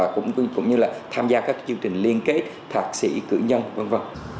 cũng như là tham gia các chương trình liên kết thạc sĩ cử nhân v v